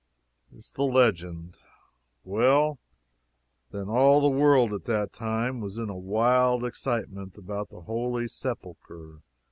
THE LEGEND. Well, then, all the world, at that time, was in a wild excitement about the Holy Sepulchre.